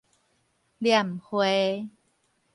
捻花